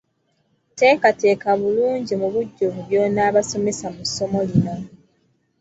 Teekateeka bulungi mu bujjuvu by'onaabasomesa mu ssomo lino.